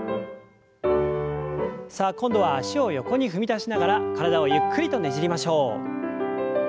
さあ今度は脚を横に踏み出しながら体をゆっくりとねじりましょう。